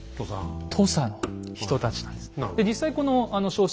土佐の人たちなんです。